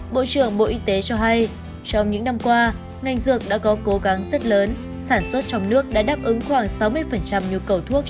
bộ trưởng bộ y tế cho hay trong những năm qua ngành dược đã có cố gắng rất lớn sản xuất trong nước đã đáp ứng khoảng sáu mươi nhu cầu thuốc cho công tác phòng và chữa bệnh cho nhân dân